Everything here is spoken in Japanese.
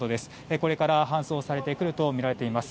これから搬送されてくるとみられています。